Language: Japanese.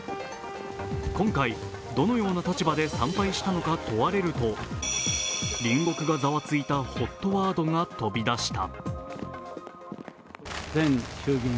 今回どのような立場で参拝したのか問われると隣国がざわついたＨＯＴワードが飛び出した。